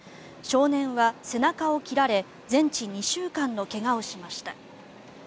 少年は背中を切られ全治２週間の怪我をしました。